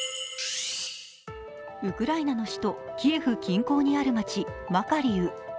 ウクライナの首都キエフ近郊にある街マカリウ。